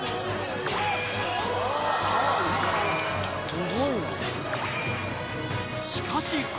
すごいな。